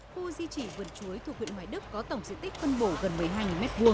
khu di trị vườn chuối thuộc huyện hoài đức có tổng diện tích phân bổ gần một mươi hai m hai